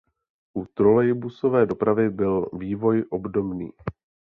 U trolejbusové dopravy byl vývoj obdobný.